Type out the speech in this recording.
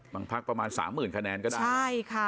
บางพักประมาณ๓๐๐๐๐คะแนนก็ได้